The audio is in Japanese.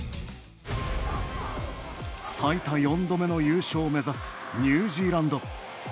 最多、４度目の優勝を目指すニュージーランド。